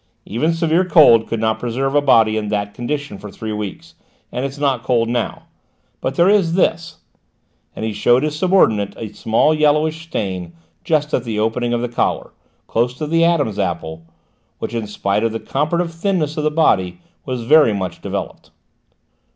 "Even severe cold could not preserve a body in that condition for three weeks, and it's not cold now, but there is this:" and he showed his subordinate a small yellowish stain just at the opening of the collar, close to the Adam's apple, which, in spite of the comparative thinness of the body, was very much developed.